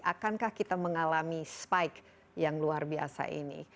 akankah kita mengalami spike yang luar biasa ini